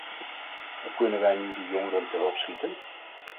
Hoe kunnen wij nu die jongeren te hulp schieten?